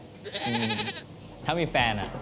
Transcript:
แต่งถ้ามีแฟนอะ